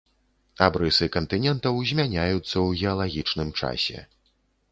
Абрысы кантынентаў змяняюцца ў геалагічным часе.